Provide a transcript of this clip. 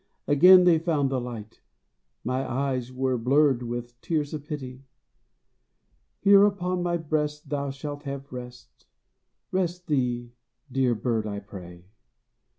Again they found the light my eyes were blurred With tears of pity. "Here upon my breast Thou shalt have rest. Rest thee, dear bird, I pray!"